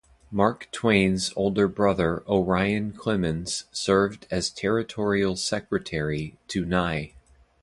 Mark Twain's brother Orion Clemens served as Territorial Secretary to Nye.